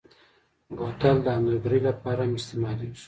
بوتل د انځورګرۍ لپاره هم استعمالېږي.